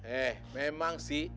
eh memang sih